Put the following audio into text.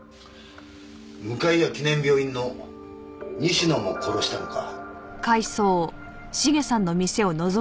向谷記念病院の西野も殺したのか？